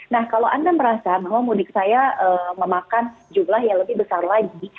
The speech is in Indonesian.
nah kalau anda merasa bahwa mudik saya memakan jumlah yang lebih besar lagi